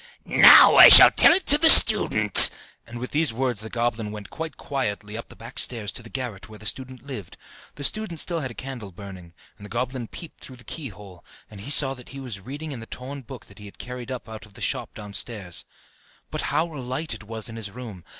"Now I shall tell it to the student!" And with these words the goblin went quite quietly up the back stairs to the garret, where the student lived. The student had still a candle burning, and the goblin peeped through the keyhole, and saw that he was reading in the torn book that he had carried up out of the shop downstairs. But how light it was in his room!